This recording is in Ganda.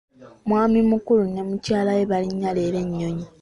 Mwami Mukulu ne Mukyala we balinnya leero ennyonyi.